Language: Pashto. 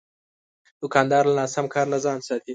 دوکاندار له ناسم کار نه ځان ساتي.